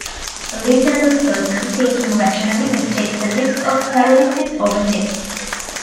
A reasonable person, thinking rationally, would take the risk of paralysis over death.